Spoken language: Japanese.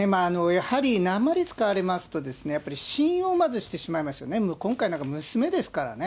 やはりなまり使われますとですね、信用をまずしてしまいますよね、今回なんか娘ですからね。